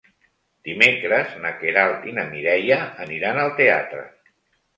Dimecres na Queralt i na Mireia aniran al teatre.